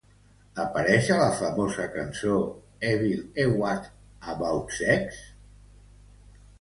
Apareix a la famosa cançó Evil E-What About Sex?